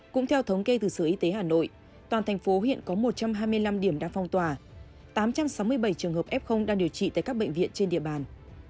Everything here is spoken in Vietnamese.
cũng theo thống kê từ sở y tế hà nội toàn thành phố hiện có một trăm hai mươi năm điểm đang phong tỏa tám trăm sáu mươi bảy trường hợp f đang điều trị tại các bệnh viện trên địa bàn